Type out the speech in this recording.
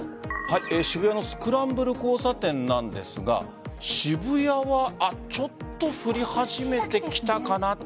渋谷のスクランブル交差点なんですが渋谷はちょっと降り始めてきたかな